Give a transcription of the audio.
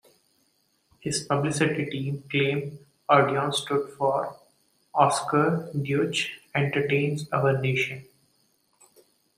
His publicity team claimed Odeon stood for "Oscar Deutsch Entertains Our Nation".